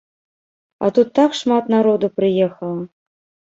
А тут так шмат народу прыехала.